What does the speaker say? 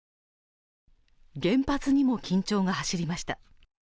原発にも緊張が走りました。